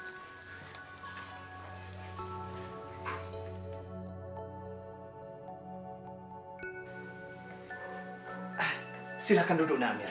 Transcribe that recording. silahkan duduk amir